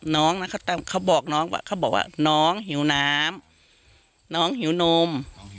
น้องนะเขาบอกน้องว่าเขาบอกว่าน้องหิวน้ำน้องหิวนม